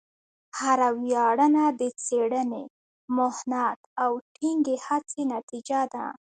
هره ویاړنه د څېړنې، محنت، او ټینګې هڅې نتیجه ده.